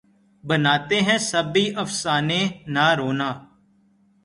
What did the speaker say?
بناتے ہیں سب ہی افسانے نہ رونا